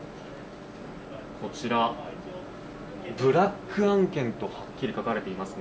こちら、ブラック案件とはっきり書かれていますね。